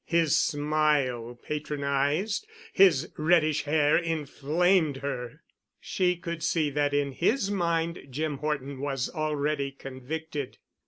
His smile patronized, his reddish hair inflamed her. She could see that in his mind Jim Horton was already convicted.